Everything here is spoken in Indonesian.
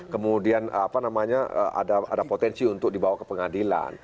kemudian apa namanya ada potensi untuk dibawa ke pengadilan